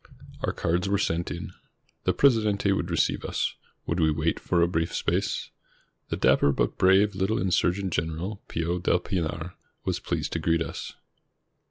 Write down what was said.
Our cards were sent in. The Presidente would receive us. Would we wait for a brief space? The dapper but brave little insurgent general, Pio del Pinar, was pleased to greet us.